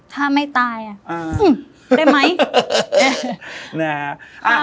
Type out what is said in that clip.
ถ้าไม่ตายอ่ะได้มั้ย